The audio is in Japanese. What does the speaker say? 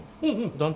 団体？